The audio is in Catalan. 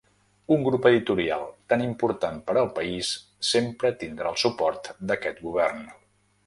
Un grup editorial tan important per al país sempre tindrà el suport d'aquest Govern.